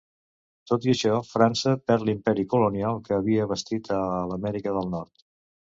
Tot i això, França perd l'imperi colonial que havia bastit a l'Amèrica del Nord.